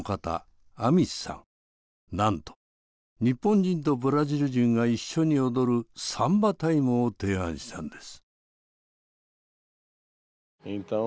なんと日本人とブラジル人が一緒に踊る「サンバタイム」を提案したんです。